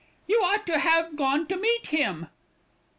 "You ought to have gone to meet him."